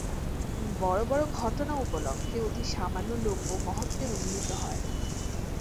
বড় বড় ঘটনা উপলক্ষ্যে অতি সামান্য লোকও মহত্ত্বে উন্নীত হয়।